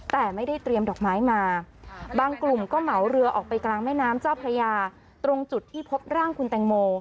แต่ไม่ได้เตรียมดอกไม้มาบางกลุ่มก็เหมาเรือออกไปกลางแม่น้ำเจ้าพระยาตรงจุดที่พบร่างคุณแตงโม